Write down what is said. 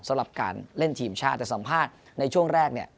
สำหรับการเล่นทีมชาติแต่สัมภาษณ์ในช่วงแรกเนี่ย